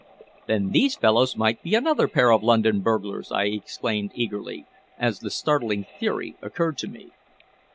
"Then these fellows might be another pair of London burglars!" I exclaimed eagerly, as the startling theory occurred to me.